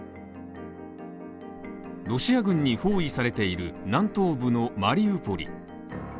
ロシア軍に包囲されている南東部のマリウポリ